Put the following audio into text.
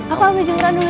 aku ambil jendela dulu ya